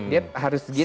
dia harus gitu